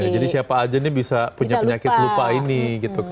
jadi siapa aja ini bisa punya penyakit lupa ini